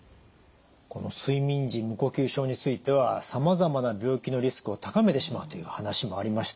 この睡眠時無呼吸症についてはさまざまな病気のリスクを高めてしまうという話もありました。